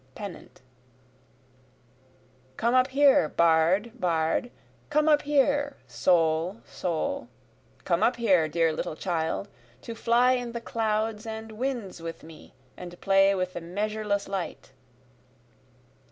Pennant: Come up here, bard, bard, Come up here, soul, soul, Come up here, dear little child, To fly in the clouds and winds with me, and play with the measureless light.